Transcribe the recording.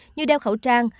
như đeo khẩu trang